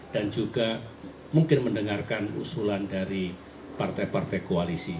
juga mungkin mendengarkan usulan dari partai partai koalisi